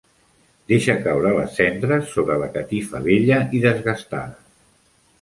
Deixa caure les cendres sobre la catifa vella i desgastada.